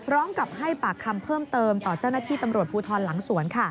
ร้องกับให้ปากคำเพิ่มเติมต่อเจ้าหน้าที่ตำรวจภูทรหลังสวน